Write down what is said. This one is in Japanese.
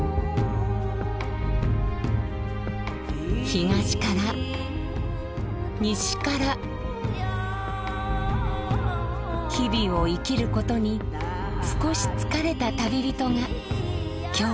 東から西から日々を生きることに少し疲れた旅人が今日もやってきます。